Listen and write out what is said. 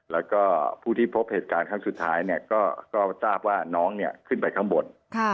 แล้วก็ผู้ที่พบเหตุการณ์ครั้งสุดท้ายก็ทราบว่าน้องขึ้นไปข้างบน